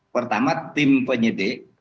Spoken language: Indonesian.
pertama tim penyidik